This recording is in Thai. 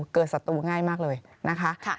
ศัตรูง่ายมากเลยนะคะ